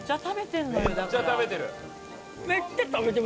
めっちゃ食べてる。